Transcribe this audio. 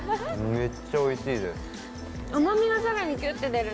めっちゃおいしい。